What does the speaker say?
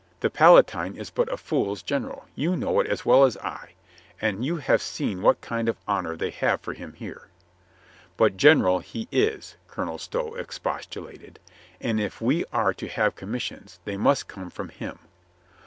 The Palatine is but a fool's general. You know it as well as I. And you have seen what kind of honor they have for him here." "But general he is," Colonel Stow expostulated. "And if we are to have commissions, they must come from him."